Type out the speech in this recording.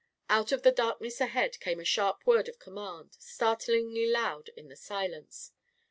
. Out of the darkness ahead came a sharp word of command, startlingiy loud in the silence.